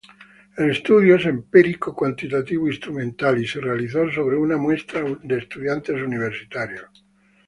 El estudio es empírico cuantitativo instrumental y se realizó sobre una muestra estudiantes universitarios.